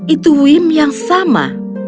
itu wim yang sama